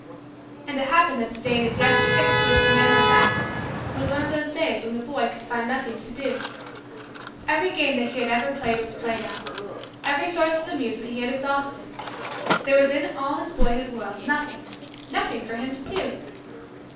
And it happened that the day in his Yesterdays to which the man went back was one of those days when the boy could find nothing to do. Every game that he had ever played was played out. Every source of amusement he had exhausted. There was in all his boyhood world nothing, nothing, for him to do.